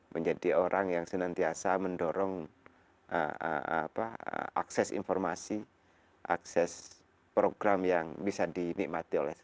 menjadi orang yang senantiasa mendorong akses informasi akses program yang bisa dinikmati oleh semua